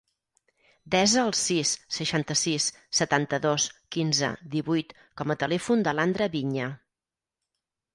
Desa el sis, seixanta-sis, setanta-dos, quinze, divuit com a telèfon de l'Andra Viña.